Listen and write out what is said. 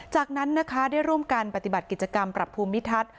จากนั้นนะคะได้ร่วมกันปฏิบัติกิจกรรมปรับภูมิทัศน์